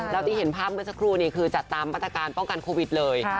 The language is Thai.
แล้วที่เห็นภาพเมื่อสักครู่นี้คือจัดตามมาตรการป้องกันโควิดเลย